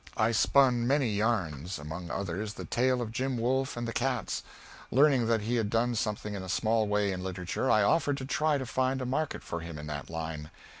I spun many yarns; among others the tale of Jim Wolf and the Cats. Learning that he had done something in a small way in literature, I offered to try to find a market for him in that line.